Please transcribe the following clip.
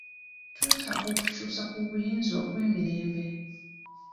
Twetaaga okukyusa kw'obuyinza okw'emirembe.